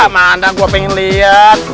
mana gua pengen liat